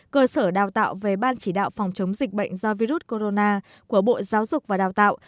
cơ sở đào tạo về ban chỉ đạo phòng chống dịch bệnh do virus corona của bộ giáo dục và đào tạo